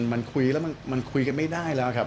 มันคุยแล้วมันคุยกันไม่ได้แล้วครับ